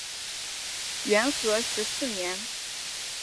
元和十四年。